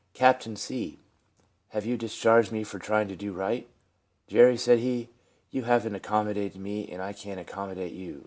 " Captain C, have you discharged me for trying to do right ?"" Jerry," said he, " you have n't accommo dated me, and I can't accommodate you."